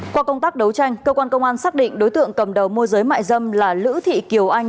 qua công tác đấu tranh cơ quan công an xác định đối tượng cầm đầu môi giới mại dâm là lữ thị kiều anh